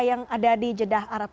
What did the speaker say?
yang ada di jeddah arab